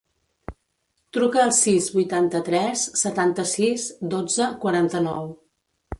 Truca al sis, vuitanta-tres, setanta-sis, dotze, quaranta-nou.